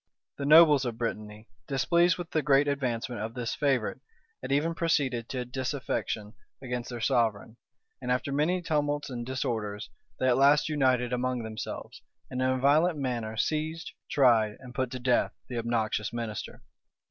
The nobles of Brittany, displeased with the great advancement of this favorite, had even proceeded to disaffection against their sovereign; and after many tumults and disorders, they at last united among themselves, and in a violent manner seized, tried, and put to death the obnoxious minister.